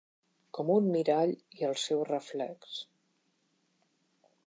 Com un mirall i el seu reflex...».